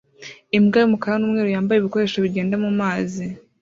Imbwa y'umukara n'umweru yambaye ibikoresho bigenda mu mazi